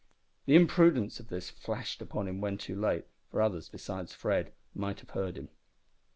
The imprudence of this flashed upon him when too late, for others, besides Fred, might have heard him.